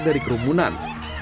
keluar dari kerumunan